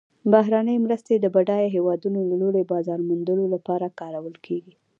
بهرنۍ مرستې د بډایه هیوادونو له لوري بازار موندلو لپاره کارول کیږي.